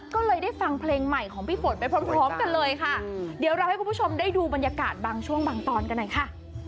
ก็เลยได้ฟังเพลงใหม่ของพี่ฝนไปพร้อมพร้อมกันเลยค่ะเดี๋ยวเราให้คุณผู้ชมได้ดูบรรยากาศบางช่วงบางตอนกันหน่อยค่ะ